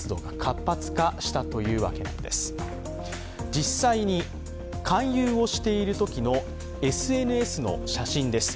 実際に勧誘をしているときのＳＮＳの写真です。